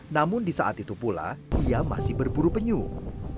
namun di saat itu pula ia masih berburu penyuh